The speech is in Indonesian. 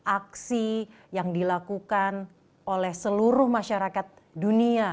aksi yang dilakukan oleh seluruh masyarakat dunia